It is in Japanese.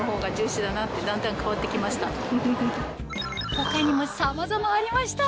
他にもさまざまありました